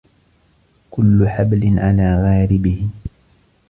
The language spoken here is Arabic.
كل حبل على غاربه